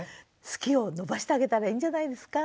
好きを伸ばしてあげたらいいんじゃないですか？